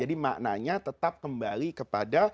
jadi maknanya tetap kembali kepada